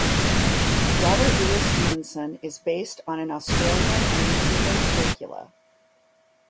Robert Louis Stevenson is based on an Australian and New Zealand curricula.